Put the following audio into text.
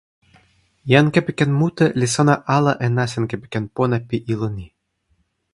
jan kepeken mute li sona ala e nasin kepeken pona pi ilo ni.